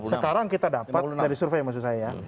sekarang kita dapat dari survei maksud saya